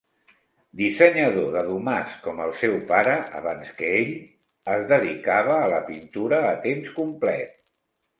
Dissenyador de domàs com el seu pare abans que ell, es dedicava a la pintura a temps complet.